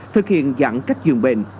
thực hiện giãn cách giường bệnh